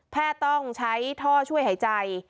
แพทย์ต้องใช้ท่อช่วยหายใจ